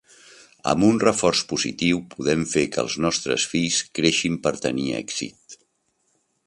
Amb un reforç positiu, podem fer que els nostres fills creixin per tenir èxit.